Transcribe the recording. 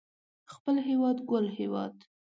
خپل هيواد ګل هيواد